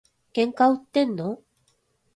喧嘩売ってんの？